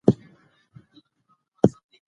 قانون باید د هر چا لپاره یو برابر وي.